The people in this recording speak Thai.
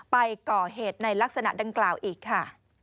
ไปก่อเหตุในลักษณะดังกล่าวอีกค่ะ